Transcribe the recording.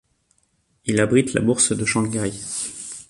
Il abrite la Bourse de Shanghai.